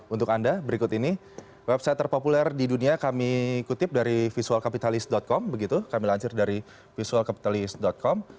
untuk anda berikut ini website terpopuler di dunia kami kutip dari visualcapitalist com kami lansir dari visualcapitalist com